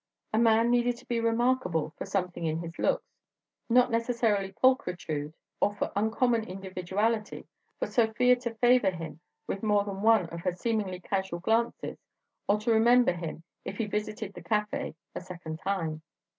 A man needed to be remarkable for something in his looks, not necessarily pulchritude, or for uncommon individuality, for Sofia to favour him with more than one of her seemingly casual glances or to remember him if he visited the café a second time.